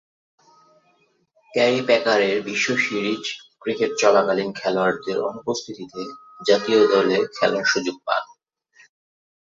Carry প্যাকারের বিশ্ব series cricket চলাকালীন খেলোয়াড়দের অনুপস্থিতিতে জাতীয় দলে খেলার সুযোগ পান।